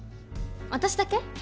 私だけ。